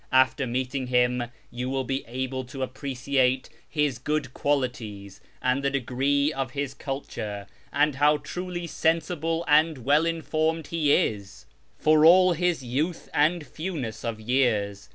After meeting him you will be able to appre ciate his good qualities, and the degree of his culture, and how truly sensible and well informed he is, for all his youth and fewness of years.